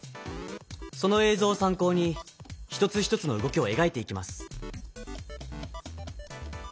その映像をさん考に一つ一つの動きをえがいていきます。